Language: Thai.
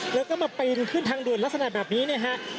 แล้วก็มาปีนขึ้นทางด่วนลักษณะแบบนี้เนี่ยฮะ